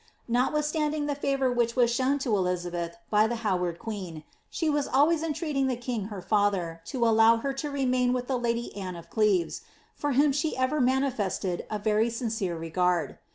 Notwithstanding the favour vhich was shown to Elizabeth by the Howard queen, she was always entreating the king her father to allow her to remain with the lady Anne of Cleves, for whom she ever manifested a very sincere regard.